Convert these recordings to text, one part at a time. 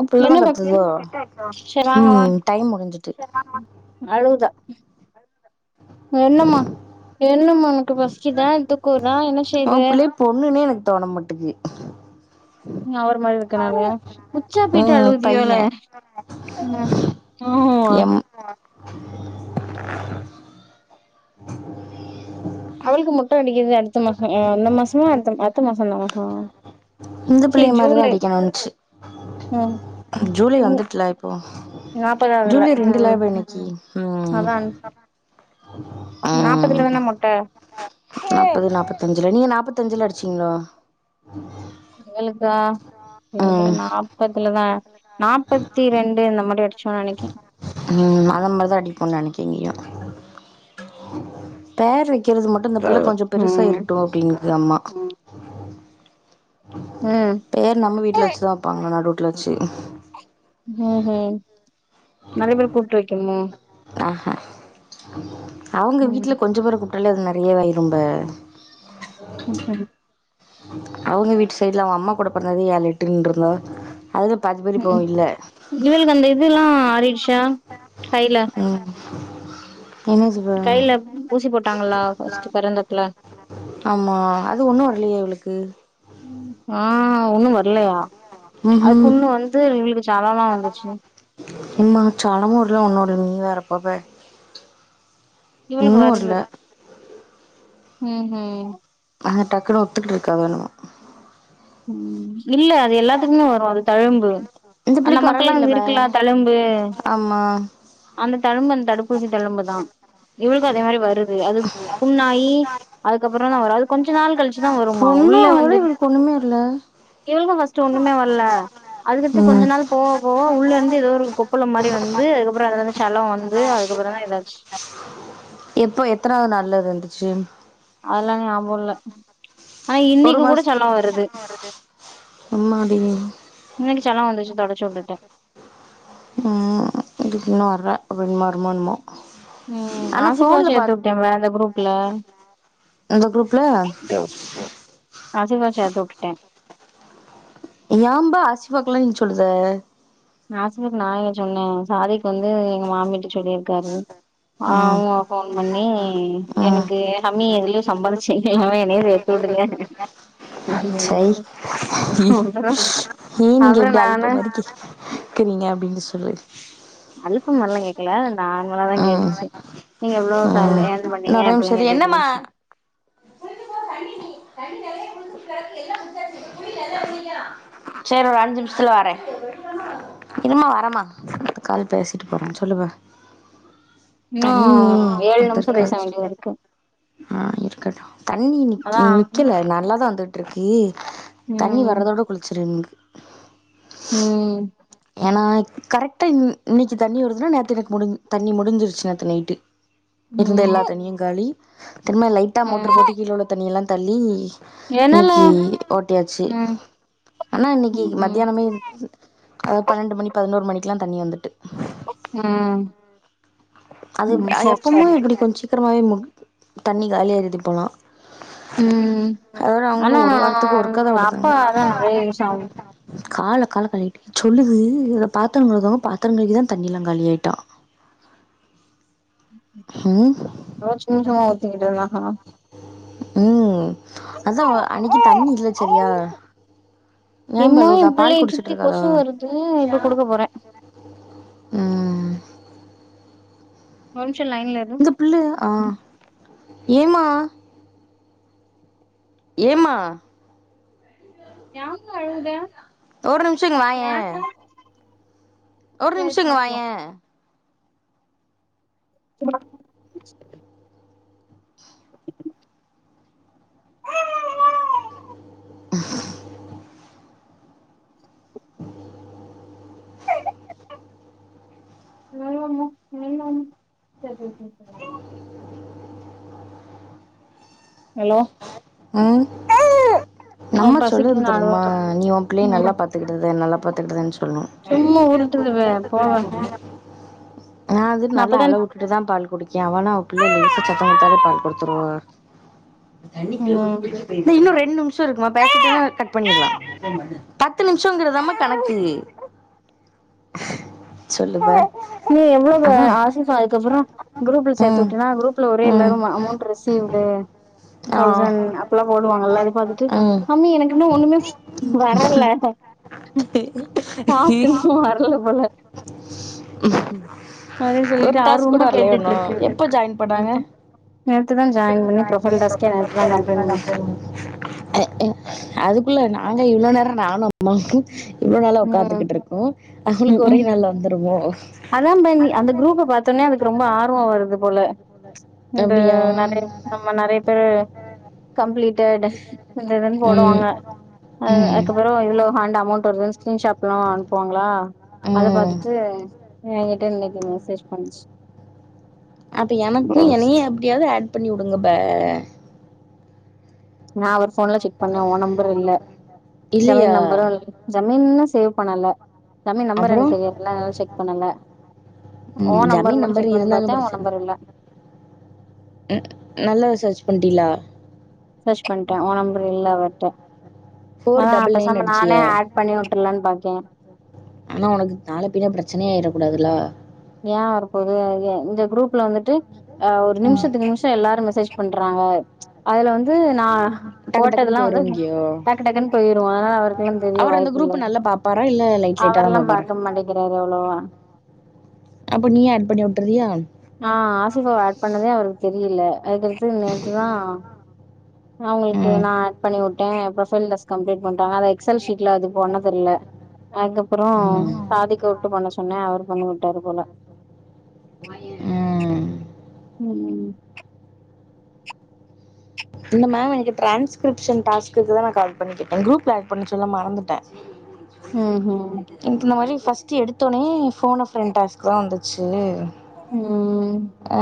அபுள்ள தா என்ன ப கத்துதோ சரி வாங்க ம் வாங்க டைம் முடிஞ்சுட்டு அழுவுதா என்னமா என்னமா உனக்கு பசிக்குதா துக்கவர்தா என்ன ஓ செய்து புள்ளைய பொண்ணுன்னே எனக்கு தோணமாட்டுகு நா ஒருமாதிரி இருக்கனால உச்சா போயட்டு ம் பைய அழுவுதியோல ம் ஹோ ஒ எம் [inaudible] கோயிலுக்கு மோட்டை அடிக்கது அடுத்த மாச இந்த மாசமா அ அடுத்த மாச ஆ இந்த சேரி பிள்ளைய ஜோரி மாரிதா ரைம் அடிக்கணுன்ச்சு ஆம் ஜூலை வந்துட்ல இப்போ நாப்பதாவதுல ஜூலை ரெண்டுலா ம் இன்னைக்கி ம் அதா நாப்பதுல ம் தா வேன மொட் நாப்பது நாப்பத்தஞ்சில நீங்க நாப்பத்தஞ்சில அடிச்சீங்களா இவளுக்கா இவளுக்கு நாப்பதுலதா நாப்பத்தி ரெண்டு [unintelligible] மாரி அடிச்சோ அன்னக்கி ம் அந்த மாரிதா அடிக்கப்போ அந்த நினைக்கறே [unintelligible] கிள்றது மட்டு இந்த புள்ள கொஞ்சோ ம் பெருசாயிருட்டு அப்டிங்குது அம்மா ம் பேர் நம்ம வீட்ல வெச்சுதா வெப்பாங்க நடு ரோட்டுல வெச்சி ம் ம் நெரைய பேர்ர கூப்டு வெக்கனுமா ஆஹ அவுங்க ம் வீட்லயே கொஞ்ச பேர கூப்டாலே அது நெறைய ஆயிருங்க ம் ம் அவுங்க வீட் சைட்ல அவ அம்மா கூட பொறந்த வீடு அந்த ஏழு எட்டுன்னு இருந்ததுல அவுங்கப் ம் இவுங்களுக் அந்த இதுவ்ல்லா ஆறிடுச்சா கையில [inaudible] ஜீவா கையில ஊசி போட்டாங்களா பஸ்ட் பொறந்தப்புல ஆமா அது ஒண்ணு இல்லேயே இவளுக்கு ம் ஆ ஒன்னும் வரலயா அது ம்ஹும் பொண்ணு வந்து [unintelligible] வீடு சடனா வந்துச்சி இம்மா [unintelligible] ஒன்னுட நீ வேற [unintelligible] இவ்ளுக்கு ஒன்னு வருது வரல ம் ம் ஆஹ டக்குனு ஒத்துட்டு இருக்கா வேணுமே ம் இல்ல அது எல்லாத்துக்குமே வரும் அது தழும்பு இந்த அ பிள்ளைக்கு வரவே நமக்கெல்லா இல்ல இங்க பா இருக்குல தழும்பு ஆமா அந்த தழும்பு அந்த தடுப்பூசி தழும்பு தா இவ்வளுக்கும் அதே மாரி வருது அது புண்ணாயி அதுக்கப்புற தா வரு அது கொஞ்சோ நாள் கழிச்சி புண்ணு ஆவள இவளுக்கு ஒண்ணுமே வரல இவளுக்கு ஃபர்ஸ்ட் ஒண்ணுமே வரல அதுக்கடுத்து ம் கொஞ்சோ நாள் போ இப்ப உள்ள இருந்து ஏதோ ஒரு கொப்பள மாரி வந்து அதுக்கப்புற அது இருந்து செலம் வந்து அதுக்கு அப்புற தா ஏதாச்சு எப்ப எத்தனாவது நல்லது இருந்துச்சு அதெல்லா ஞாபம் இல்ல ஆனா ஒரு இன்னைக்கு கூட செலோ மாசத்து வருது ஆமா அடி இன்னைக்கு செலம் வந்துச்சு தொடச்ச வுட்டுடே ம் இதுக்குன்னும் வர்றே அப்டின்னு வருரமோ இன்னமோ ம் ஆசிபா சேத்துவுட்டே அந்த குரூப்ல அந்த குரூப்ல ஆசிப சேத்து வுட்டுட்டே ஏம்பா ஆசிவாக்க எல்லா நினுச்சுவுட சொல்லுத ஆசப நா சொன்னே சாதிக் வந்து எங்க மாமிட்ட சொல்லியிருக்காரு ம் அவங்க போன் பண்ணி ம் எனக்கு ஹம்மி எதுலயு சம்பாதிச்சு எல்லாம என்ன ஏத்து விடுங்க சை அப்ற அப்ற நா கிறீங்க அப்டின்னு சொல்லி அல்பமல்லா கேக்கல நார்மலா தா ம் கேட்டுச்சி நீங்க எவ்ளோ ம் சேல இயன் இன்ன பண்ணீங்க ஒரே நிமிஷ அப்பெல்லாம் இரு கேட்டுட்டு என்னம்மா இருண்ச்சி தண்ணி நிலையேடி போய் நல்லால்லையா சேரி ஒரு அஞ்சி நிமிஷத்துல வறன் இருமா வரமா கால் பேசிட்டு போறன் சொல்லுவ இன்னும் ஏழு நிமிஷம் பேச வந்திருக்கா வேண்டியது இருக்கு ஆ இருக்கட்டும் தண்ணி நிக்க அதா நிக்கல நல்லாதா வந்துட்டு இருக்கு தண்ணி ம் வறதோட குளிச்சிருனு ம் ஏன்னா கரெட்டா இன் இன்னைக்கு தண்ணி வருதுன்னா நேத்து எனக்கு முடிஞ் தண்ணி முடிஞ்சிருச்சி நேத்து நைட்டு இருந்த எல்லா ம் தண்ணியும் காலி திரும்ப லைட்டா ம் மோட்டர் போட்டு கீழ உள்ள தண்ணிய எல்லாம் தள்ளி என்னால இன்னைக்கு ஓட்டியாச்சி ம் ஆனா இன்னைக்கு ம் ம் மத்தியானமே அதா பன்னண்டு மணி பதினோரு மணிக்குலா தண்ணி வந்துட்டு ம் அது ம் சரி எப்பமே சரி இப்டி கொஞ்சம் சீக்கிரமாவே மு தண்ணி காலி ஆயிடுது இப்போலா ம் அதோட ஆனா அவுங்களும் ஒரு வாரத்துக்கு ஒருக்காத அப்பா விடுதாங்க அதா நெறைய யூஸ் ஆகு கால கால கழுவிட்டு சொல்லுது இதுல பாத்திரம் கழுவாங்க பாத்திரம் கழுவிதா தண்ணிலா காலி ஆய்ட்டா ம் ஆ சும்மா சும்மா ஊத்திக்கிட்டு இருந்தா ம் அதா அன்னைக்கு தண்ணி இல்ல சரியா ஏம்பா எம்மா எ அழுரா பால் குடிச்சிட்டு இருக்காதோ போற ஒரு நிமிஷம் லைன்ல இரு இந்த புள்ளு ஆ ஏமா ஏமா ஏமா அழுர ஒரு நிமிஷம் இங்க வாயே ஒரு சேர் நிமிஷம் இங்க சேர் சேர் வாயே சுமனா [unintelligible] ஹலோ ஆ அவ நம்மா சொல்லுது பசிக்குதுன்னு தெர்மா அழுவுறா நீ ஓன் பிள்ளய நல்லா ம் பாத்துக்கிட்டத நல்லா பாத்துக்கிட்டதுன்னு சொல்ணும் சும்மா உருட்டுதுவ போவ நா வந்துட்டு நல்லு அழ உட்டுட்டுதா பால் குடிக்கேன் அவனா அவ பிள்ளைய லேசாக சத்தம் குடுத்தாலே பால் குடுத்துருவா ம் இன்னும் ரெண்டு நிமிஷம் இருக்குமா பேசிட்டன்னா கட் பண்ணிடலாம் பத்து நிமிஷங்கிறதாம கணக்கு சொல்லுப்ப நீ எவ்ளோவு அதான் ஆசிஸ்ஸா அதுக்கப்புறம் குரூப்ல சேத்து ம் உட்டனா குரூப்ல ஒரே ம் எல்லாரு அமௌண்ட் ரிசீவ்டு ஆ சொல்றானுங்க அப்பல்லா போடுவாங்கல்ல அத பாத்துட்டு ம் மம்மி எனக்கின்னு ஒண்ணுமே வரல செ டாஸ்க் இன்னும் வரல போல உம் அப்டின்னு [unintelligible] ஒரு சொல்லிட்டு டாஸ்க் கூட ஆர்வமா வரலயோ இன்னு கேட்டுட்டு இருக்கு எப்ப ஜாய் பண்ணாங்க நேத்துதா ஜாயின் பண்ணி ப்ரொஃபைல் டாஸ்கே நேத்துதா கம்ப்ளீட் பண்ணிச்சு [unintelligible] [inaudible] அதுக்குள்ள நாங்க இவ்ளோ நேர நானு மக்கு இவ்ளோ நாளா ம் உக்காந்துகிட்டு இருக்கோ அவள்க்கு ஒரே ம் நாள்ள வந்துருமோ அதா பென்னி அந்த குரூப்ப பாத்தோனே அவள்க்கு ரொம்ப ஆர்வோ வருது போல இந்த அப்படியா நெறய ஆமா நெறய பேரு கம்ப்ளீட்டடஸ் இந்ததுமே ம் போடுவாங்க அது ம் அதுப்பறோ இவ்ளோ ஹாண்ட் அமௌண்ட் வருது சீன்ஷாப் எல்லா அனுப்புவாங்களா அத ம் பாத்துட்டு ஏங்கிட்ட இன்னக்கி மெசேஜ் பண்ணுச்சு அப்ப எனக்கு என்னயே அப்டியாவது ஆட் பண்ணி உடுங்க ப நா அவர் போன்ல செக் பண்ணே ஒ நம்பரு இல்ல இல்லையா ஜமீன் நம்பரு இ ஜமீன்னு சேவ் பண்ணல ஜமீன் நம்பர் அப்புறோ எனக்கு தெரியல்ல செக் பண்ணல ஓ ம் நம்பர் ஜமீன் மட்டு செக் பண்ணி இருந்தாலு பாத்தே ஓ பிரச்சன நம்பர் இல்ல ம் நல்லா சச் பண்ட்டிகளா சச் பண்ட்டே ஒ நம்பர் இல்ல அவர்ட்ட ஃபோர் ஆனா டபுள் நைன் பெசாம நானே அடிச்சியா ஆட் பண்ணி உட்டர்லான் பாக்கே ஆனா உனக்கு நால பின்னெ பிரச்சனையாயிறக்கூடாதுல்ல ஏ வரபோது இந்த குரூப்ல வந்துட்டு் ஒரு ம் நிமிஷத்துக்கு நிமிஷ எல்லாரு மெசேஜ் பண்றாங்க அதுல வந்து நா டக்கு டக்குன்னு போட்டதுல்லா வந்து போயிருவன்கியோ டக்கு டக்குன் போயிரு அதனால அவருக்கெல்லா தெரிய அவர் அந்த வாய்ப்பு இல்ல குரூப் நல்லா பாப்பாரா இல்ல லைட் லைட்டா தா அவர்ல்லா பாப்பாரா பாக்க மாட்டிக்கிறாரு அவ்ளோவா அப்போ நீயே ஆட் பண்ணி உட்டர்றியா நா ஆசிஃபாவ ஆட் பண்ணதே அவருக் தெரியில அதுக்கடுத்து நேத்துதா அவுங்களுக்கு ம் நா ஆட் பண்ணி உட் டோ ப்ரொபைல் டெஸ்ட் கம்ப்ளீட் பண்டா அத எக்சல்ஷீட்ல அது பண்ண தெரில்ல அதுக்கப்பறோ ம் பாதிக்க கூப்ட்டு பண்ண சொன்னே அவரு பண்ணி உட்டாரு போல ம் ம் இந்த மேம் எனக்கு டிரான்ஸ்கிப்ஷன் டாஸ்குகுதா நா கால் பண்ணிக்கேட்டே குரூப்ல ஆட் பண்ண சொல்ல மறந்துட்டே ம்ஹு எனக்கு இந்த மாரி பஸ்ட் எடுத்தவுனெ போனோப்ரெண்ட் டாஸ்குதா வந்துச்சு ம் அ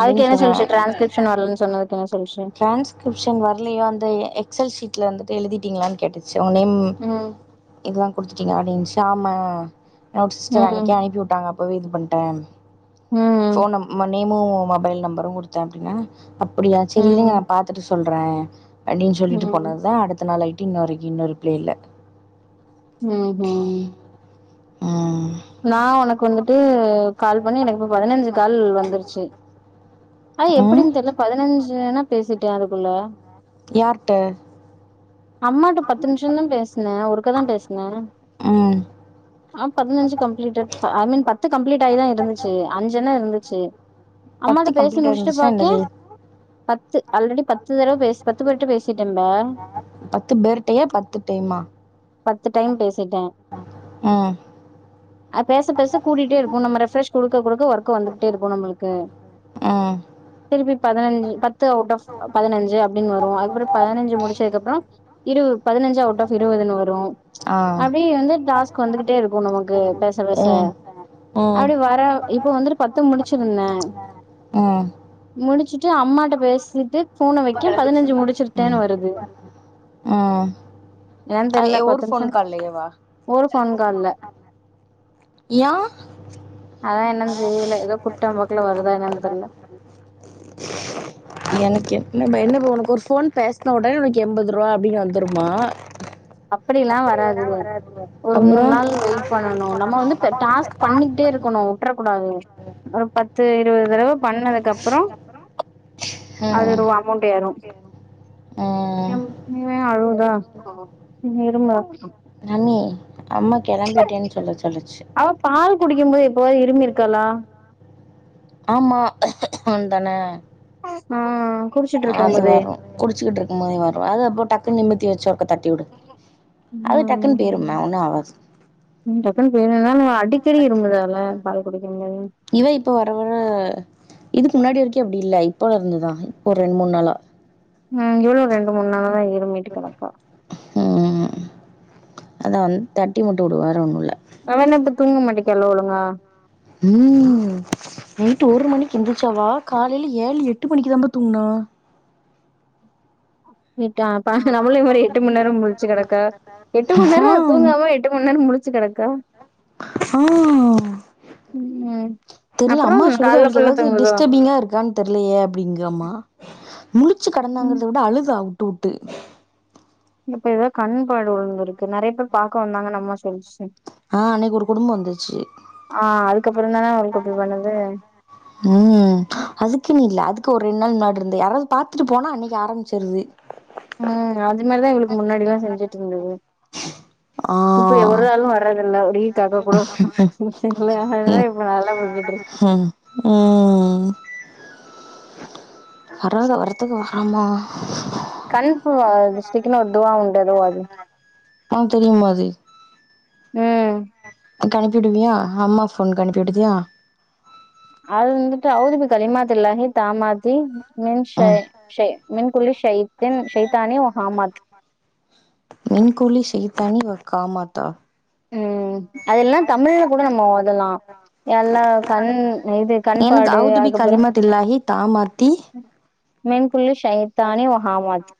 அதுக்கு என்ன சொல்லுச்சு டிரான்ஸ்கிரிப்ஷன் வரலன் சொன்னதுக்கு என்ன சொல்ச்சு ட்ரான்ஸ்கிரிப்ஷன் வர்லையோ அந்த எக்ஸல் ஷீட்ல வந்துட்டு எழுதிட்டிங்களான் கேட்டுச்சு உங்க நேம் ம் இதுல்லா குடுத்துட்டிங்ளா அப்டின்ச்சு ஆமா என்னோட சிஸ்டர் ம் அன்னக்கி அனுப்பி உட்டாங்க ஓ இது பண்டேன் ம் போன் நம் மன் னிமு மொபைல் நம்பரு குடுத்த அப்டின்னே அப்டியா சரி இருங்க ம் நா பாத்துட்டு சொல்றே அப்டின் சொல்லிட்டு ம் போனதுதா அடுத்த நாள் ஆயிட்டு இன்ன வரைக்கி இன்னு ரிப்பிளே இல்ல ம ம் ம் நா ஒனக்கு வந்துட்டு கால் பண்ணி எனக்கு இப்ப பதினஞ்சு கால் வந்துருச்சு அதா ம் எப்படின் தெர்ல பதினஞ்சூனா பேசிட்டே அதுக்குள்ள யார்ட்ட அம்மாட்ட பத்து நிம்ஷந் தா பேசுனே ஒருக்கா தா பேசுனே ம் ஆ பதினஞ்சு கம்ப்ளீட்டட் ஐ மீன் பத்து கம்ப்ளீட் ஆயிதா இருந்துச்சி அஞ்சன்னா இருந்துச்சி பத்து அம்மாட்ட பேசி கம்ப்ளீட் முடிச்சுட்டு ஆயிருந்துச்சுன்னா பாக்கே என்னது பத்து ஆல்ரெடி பத்து தடவ பேசு பத்து பேருட்ட பேசு ட்டம்பா பத்து பேருட்டையா பத்து டைமா பத்து டைம் பேசிட்டே ம் ஆ பேச பேச கூடீட்டே இருக்கும் நம்ம ரெஃப்ரெஷ் குடுக்க குடுக்க ஒர்க் வந்துகிட்டே இருக்கும் நம்பளுக்கு ம் திருப்பி பதினஞ்சு பத்து அவுட் ஆப் பதினஞ்சு அப்டின் வரு அதுப்பிறகு பதினஞ்சு முடிச்சதுக்கப்புறம் இரு பதினஞ்சு அவுட் ஆஃப் இருபதுன்னு வரு ஆ அப்டி வந்து டாஸ்க் வந்துகிட்டே இருக்கு நமக் கு பேச பேச ம் ம் அப்டி வர இப்போ வந்துட்டு பத்து முடிச்சிருந்தே ஆ முடிச்சுட்டு அம்மாட்ட பேசிட்டு போன வைகெக பதினஞ்சு ம் முடிச்சிருட்டேன்னு வருது ம் ஏன்னு அ தெர்ல ஒரு பத்து ஃபோன் நிமிஷம் கால்லயேவா ஒரு போன் கால்ல யா அதா என்னன் தெரியல ஏதோ குட்டம்போக்கல வருதா என்னான்னு தெரில எனக்கு எப்பனா பய என்ன உனக்கு ஒரு ஃபோன் பேசின உடனே உனக்கு எண்பது ரூபா அப்டின் வந்துருமா அப்புடியெல்லா வராதுடி ஒரு மூணு அப்புறோ நாள் வெயிட் பண்ணணு நம்ம வந்து இப்ப டாஸ்க் பண்ணிக்கிட்டே இருக் கொணு வுட்றக்கூடாது ஒரு பத்து இருபது தடவை பண்ணதுக்கு அப்றோ அது ம் ரூவா அமௌண்ட் ஏறு ம் ந [unintelligible] அழுவுதா நீ இருங்க ரம்மி அம்மா கெளம்பிட்டேன் சொல்ல சொல்லுச்சு அவ பால் குடிக்கும் போது எப்பவாது இருமி இருக்காளா ஆமா தானே ஆ குடிச்சி அது வரும குடிச்சுகிட்டு இருக்கும் போதே வரு அது அப்போ டக்கு நிம்பத்தி வச்ச ஒருக்கா தட் டிவுடு அது டக்குன்னு போயிரும்மே ஒன்னு ஆவாது ம் டக்குன்னு போயிருந்தால அடிக்கடி இருமுறாளே பால் குடிக்கும்போது இவ இப்போ வர வர இதுக்கு முன்னாடி வரைக்கு அப்டி இல்லை இப்போ இருந்துதா இப்ப ரெண்டு மூன் நாளா ம் இவளு ரெண்டு மூணு நாளா தா இருமீட்டு கெடக்கா ம் அத வந்து தட்டி மட்டு வுடு வேற ஒன்னு இல்ல அவனா இப்ப தூங்க மாட்டேக்கால ஒழுங்கா ம் நைட்டு ஒரு மணிக்கு எந்திரிச்சாவா காலையில ஏழு எட்டு மணிக்கு தான் பா தூங்குணா ட்டா பா நம்மளு வேற எட்டு மணி நேரம் முழிச்சு கெடக்க எட்டு மணி ஆ. நேரோ தூங்காம எட்டு மணி நேரம் முழிச்சு கெடக்கா ஆ ம் மெ தெர்ல அம்மா சொல்றது அவளுக்கு ஏதாவது டிஸ்டர்பிங்கா இருக்கான்னு தெர்லயே அப்டிங்கு அம்மா முழிச்சி ம் கெடந்தாங்கறத வுட அழுதா வுட்டு வுட்டு இப்ப எதோ கண்ப்பாடு உளுந்துர்க்கு நெறைய பேர் பாக்க வந்தாங்கனு அம்மா சொல்ச்சு ஆ அன்னைக்கு ஒரு குடும்பம் வந்துச்சு ஆ அதுக்கப்பறோ தான அவ்ளுக்கு அப்டி பண்ணுது ம் அதுக்குன்னு இல்ல அதுக்கு ஒரு ரெண்டு நாள் முன்னாடிருந்து யாராவது பாத்துட்டு போனா அன்னைக்கு ஆரமிச்சிரது ம் அதுனாலதா இவளுக்கு முன்னாடி எல்லா செஞ்சுட்ருந்துது ஆ. இப்ப ஒரு ஆளு வரதில்ல ஒரு ஈ காக்காகூடோ சும்மா சிம்பிளா ம், இப்ப நல்லா போயிட்ருக் ம், ம் வராத வரத்துக்கு வராமா கண்ப்புவா [unintelligible] ஸ்டிக்குனு ஒரு துவா உண்டுவா அது ஒனக் தெரியுமா அது ம் அதுக் அனுப்பிஉடுவியா அம்மா ஃபோன்க்கு அனுப்பிஉடுதியா அஊது பிக அஊது பி கலிமாத்தில்லாஹி தாம்மாத்தி மின்ஷை ம். ஷை மின் புல்லி ஷைத்தின் ஷைத்தானே ஹாமாத் மின்குல்லி ஷைய்தானி வ காமாத்தா ம் அது இல்லனா தமிழ்ல கூட நம்ம ஓதலா எல்லா கண் இது கண்பாடு அதுக்கப்றோ ஆமாத்தி மின்குல்லி ஷைத்தானிவ் வ ஹாமாத்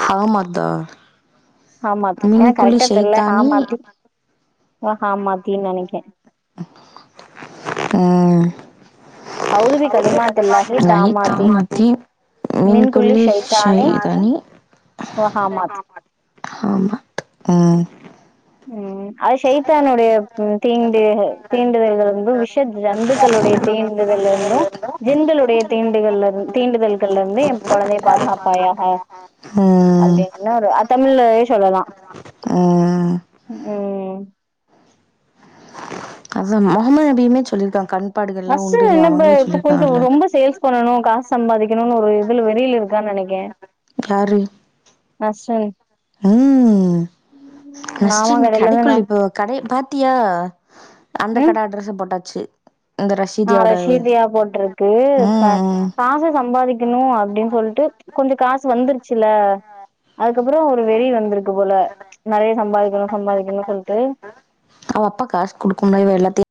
ஹாமாத்தா ஹாமாத் ஏ மின்குலி கரெக்டா தெர்ல ஷைத்தானி ஹாமாத்தி வ ஹமாத்தி நெனைக்கே ம் அவுதுபி கலிமாத்துல்லாஹி லை தாமாத்தி மின்குள்ளி மின்குல்லி ஷைதானி ஓ ஹாமாத் ஹாமாத் ம் ம் அது சைதானுடைய தீண்டு தீண்டுதல்கருந்து விஷ ஜந்துக்களுடைய தீண்டுதல்லுன்னா ஜின்களுடைய தீண்டுகள் தீண்டுதல்கள்ல இருந்து ஏ கொழந்தைய பாதுகாப்பாயாக ம் அப்டின்னு ஒரு தமிழ்லயே சொல்லலா ம் ம் அசா முகமன் நபியுமே சொல்லிருக்கா கண் நஸ்ருன் என்னப்பே இப்ப கொஞ்சோ ரொம்ப சேல்ஸ் பண்ணணு காசு சம்பாதிக்கணு ஒரு இதுல வெறியில இருக்கானு நெனைக்கே யாரு நஸ்ருன் ம் மாமா அஸ்டின் கடைல தான கடைக்குள்ள போ கடைய பாத்தியா அந்த ம் கட அட்ரெஸ்ஸே போட்டாச்சு இந்த ஆ ரஷீதியோட ரஷீபியா போட்டுருக்கு ப ம் ம் காசு சம்பாரு றியா அப்டின் சொல்ட்டு கொஞ்ச காசு வந்துருச்சுல்ல அதுக்கப்றோ ஒரு வெறி வந்திருக்கு போல நெறைய சம்பாதிக்கணு சம்பாதிக்கணு சொல்ட்டு அவ அப்பா காசு குடுக்கும்ல இவ எல்லாத்தியு